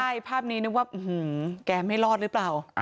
ใช่ภาพนี้นึกว่าแกไม่รอดหรือเปล่า